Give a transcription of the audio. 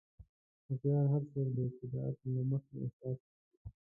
هوښیار څوک دی چې د عقل نه مخکې احساس نه کوي.